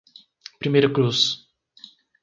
Primeira Cruz